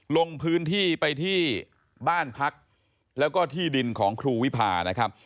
ลงพื้นที่ไปที่บ้านพักแล้วก็ที่ดินของครูวิพานะครับ